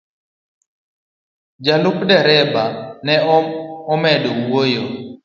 Ja lup dereba ne omedo wuoyo.